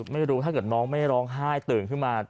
ไม่รู้ถ้าเกิดน้องไม่ร้องไห้ตื่นขึ้นมา